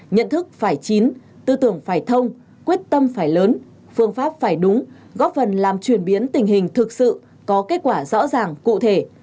nhận thức phải chín tư tưởng phải thông quyết tâm phải lớn phương pháp phải đúng góp phần làm chuyển biến tình hình thực sự có kết quả rõ ràng cụ thể